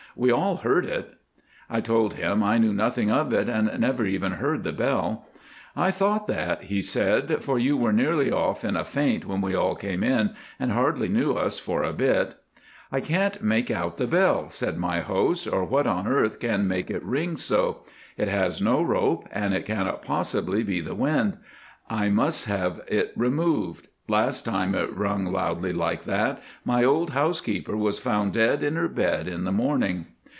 We all heard it." I told him I knew nothing of it and never even heard the bell. "I thought that," he said, "for you were nearly off in a faint when we all came in, and hardly knew us for a bit. "I can't make out the bell," said my host, "or what on earth can make it ring so. It has no rope, and it cannot possibly be the wind. I must have it removed. Last time it rung loudly like that, my old housekeeper was found dead in her bed in the morning."